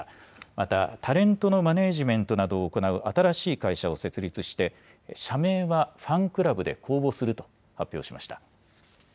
また、タレントのマネージメントなどを行う新しい会社を設立して、社名はファンクラブで公募すると発表しました。